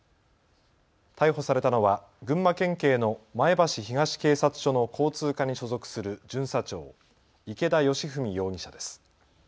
逮捕されたのは群馬県警の前橋東警察署の交通課に所属する巡査長、池田佳史容疑者です。